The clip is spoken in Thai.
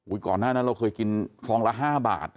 ก่อนหน้านั้นเราเคยกินฟองละ๕บาท